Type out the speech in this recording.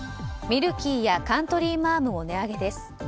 ミルキーやカントリーマアムも値上げです。